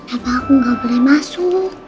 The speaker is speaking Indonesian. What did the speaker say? apa aku nggak boleh masuk